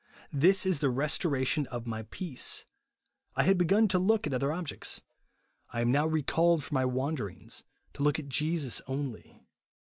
This is the restoration of my peace. I had begun to look at other objects ; I am now recalled from my wanderings to look at Jesus only."